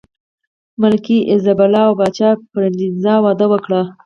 ملکې ایزابلا او پاچا فردیناند واده وکړ.